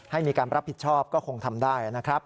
ให้มีการรับผิดชอบก็คงทำได้นะครับ